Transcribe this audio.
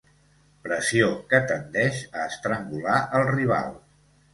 Pressió que tendeix a estrangular el rival.